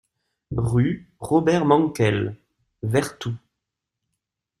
Rue Robert Mankel, Vertou